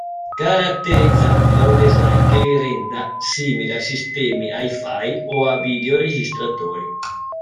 Caratterizzati da un design che li renda simili a sistemi hi-fi o a videoregistratori.